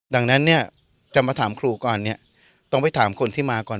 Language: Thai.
ดังนั้นเนี่ยจะมาถามครูก่อนเนี่ยต้องไปถามคนที่มาก่อน